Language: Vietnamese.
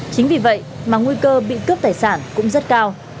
chính vì vậy mà nguy cơ bị cướp tài sản cũng rất cao